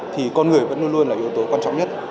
thì con người vẫn luôn luôn là yếu tố quan trọng nhất